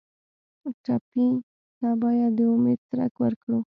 ټپي ته باید د امید څرک ورکړو.